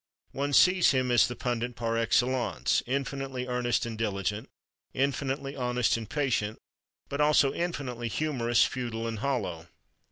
One sees him as the pundit par excellence, infinitely earnest and diligent, infinitely honest and patient, but also infinitely humorless, futile and hollow....